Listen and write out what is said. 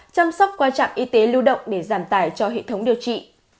chăm sóc quan trọng y tế lưu động để giảm tải cho hệ thống điều trị